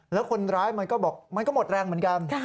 แล้วคนร้ายมันก็บอกมันก็หมดแรงเหมือนกัน